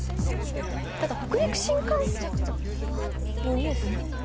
ただ北陸新幹線のニュース。